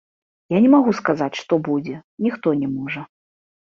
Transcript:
Я не магу сказаць, што будзе, ніхто не можа.